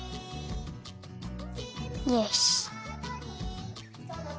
よし。